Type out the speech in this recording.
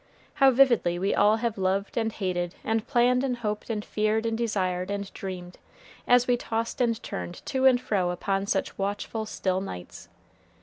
How vividly we all have loved and hated and planned and hoped and feared and desired and dreamed, as we tossed and turned to and fro upon such watchful, still nights.